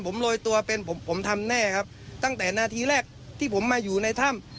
ผมโรยตัวเป็นผมผมทำแน่ครับตั้งแต่นาทีแรกที่ผมมาอยู่ในถ้ำ